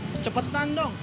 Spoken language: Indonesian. bang cepetan dong